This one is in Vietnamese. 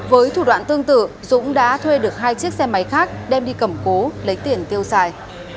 với thủ đoạn tương tự dũng đã thuê được hai chiếc xe máy khác đem đi cầm cố lấy tiền tiêu xài